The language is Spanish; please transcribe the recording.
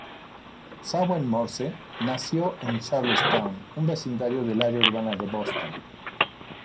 Samuel Morse nació en Charlestown, un vecindario del área urbana de Boston.